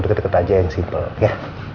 deket deket aja yang simple